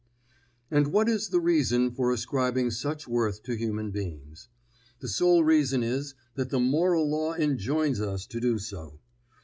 And what is the reason for ascribing such worth to human beings? The sole reason is, that the moral law enjoins us to do so.